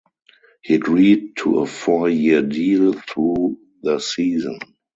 He agreed to a four-year deal through the season.